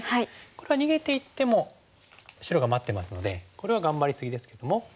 これは逃げていっても白が待ってますのでこれは頑張り過ぎですけどもここで。